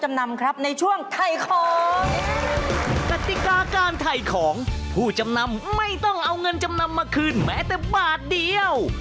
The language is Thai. เธอไม่ฮิตกับผู้ชายแบทบ่อย